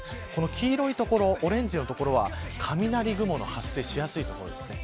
黄色い所、オレンジの所は雷雲の発生しやすい所です。